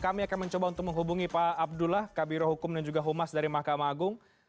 kami akan mencoba untuk menghubungi pak abdullah kabiro hukum dan juga humas dari mahkamah agung